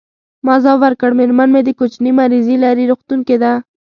ما ځواب ورکړ: میرمن مې د کوچني مریضي لري، روغتون کې ده.